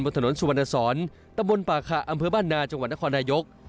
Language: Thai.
ถนนสุวรรณสอนตะบนป่าขะอำเภอบ้านนาจังหวัดนครนายก